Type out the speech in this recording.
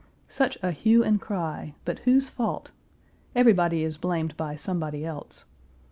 Such a hue and cry, but whose fault? Everybody is blamed by somebody else.